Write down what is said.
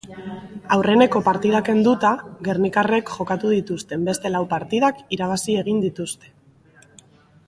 Aurreneko partida kenduta, gernikarrek jokatu dituzten beste lau partidak irabazi egin dituzte.